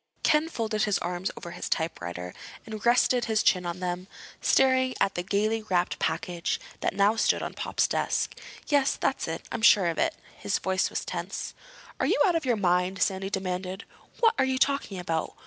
Ken folded his arms over his typewriter and rested his chin on them, staring at the gaily wrapped package that now stood on Pop's desk. "Yes, that's it. I'm sure of it." His voice was tense. "Are you out of your mind?" Sandy demanded. "What are you talking about?